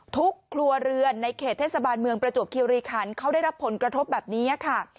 ครัวเรือนในเขตเทศบาลเมืองประจวบคิวรีคันเขาได้รับผลกระทบแบบนี้ค่ะ